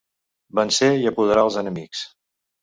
Vencé i apoderà els enemics.